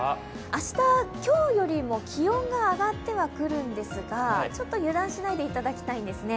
明日、今日よりも気温が上がってはくるんですがちょっと油断しないでいただきたいんですね。